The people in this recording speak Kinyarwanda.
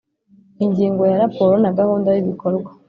Ingingo ya raporo na gahunda y ibikorwa